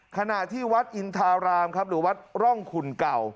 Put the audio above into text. ขณะที่วัดอินทารามครับหรือวัดร่องขุนเก่า